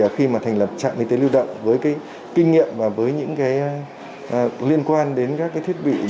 khi mà thành lập trạng y tế lưu động với kinh nghiệm và với những liên quan đến các thiết bị